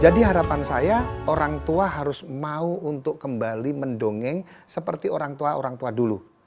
jadi harapan saya orang tua harus mau untuk kembali mendongeng seperti orang tua orang tua dulu